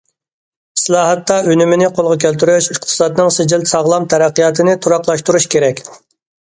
ئىسلاھاتتا ئۈنۈمنى قولغا كەلتۈرۈش، ئىقتىسادنىڭ سىجىل ساغلام تەرەققىياتىنى تۇراقلاشتۇرۇش كېرەك.